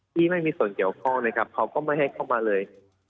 ไม่มีส่วนเกี่ยวข้องนะครับเขาก็ไม่ให้เข้ามาเลย